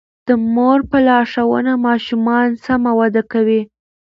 د مور په لارښوونه ماشومان سم وده کوي.